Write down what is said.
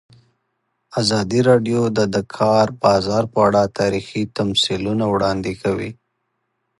ازادي راډیو د د کار بازار په اړه تاریخي تمثیلونه وړاندې کړي.